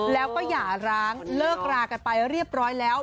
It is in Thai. แล้วก็หย่าร้างเลิกรากันไปเรียบร้อยแล้ว